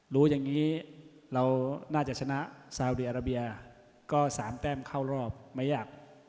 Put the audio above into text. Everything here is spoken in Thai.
รู้อย่างนี้เราน่าจะชนะซาวดีอาราเบียก็๓แต้มเข้ารอบไม่ยาก